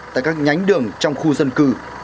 tại các nhánh đường trong khu dân cư